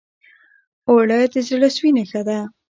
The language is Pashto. اوړه د زړه سوي نښه ده